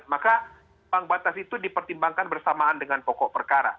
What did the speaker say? maka bank batas itu dipertimbangkan bersamaan dengan pokok perkara